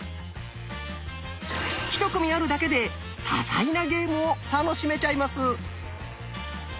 １組あるだけで多彩なゲームを楽しめちゃいます。